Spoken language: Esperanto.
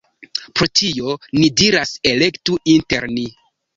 Pro tio, ni diras: elektu inter ni.